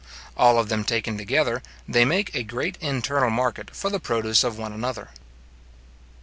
All of them taken together, they make a great internal market for the produce of one another.